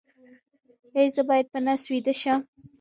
ایا زه باید په نس ویده شم؟